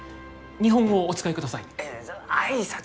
日本語をお使いください。